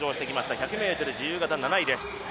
１００ｍ自由形、７位です。